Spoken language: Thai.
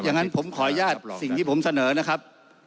อย่างนั้นผมขออนุญาตสิ่งที่ผมเสนอนะครับ